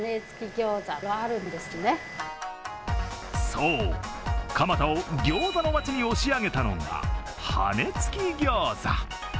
そう、蒲田をギョーザの街に押し上げたのが羽根付きギョーザ。